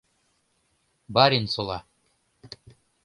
Баринсола...